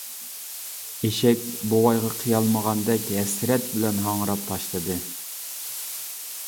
ئېشەك بوۋايغا قىيالمىغاندەك ھەسرەت بىلەن ھاڭراپ تاشلىدى.